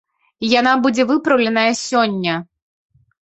Яна будзе выпраўленая сёння.